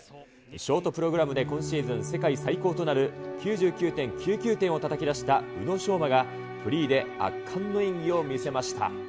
ショートプログラムで今シーズン世界最高となる、９９．９９点をたたき出した宇野昌磨が、フリーで圧巻の演技を見せました。